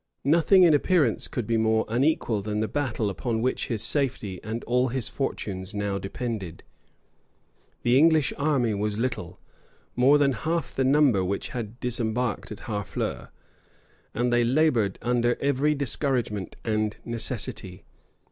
Nothing in appearance could be more unequal than the battle upon which his safety and all his fortunes now depended. The English army was little, more than half the number which had disembarked at Harfleur; and they labored under every discouragement and necessity.